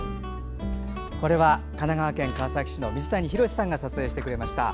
これは、神奈川県川崎市の水谷宏さんが撮影してくれました。